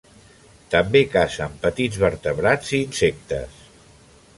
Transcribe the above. També cacen petits vertebrats i insectes.